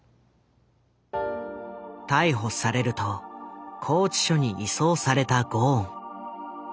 逮捕されると拘置所に移送されたゴーン。